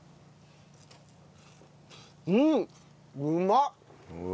うんうまっ！